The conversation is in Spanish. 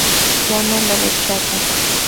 Ione lo rechaza.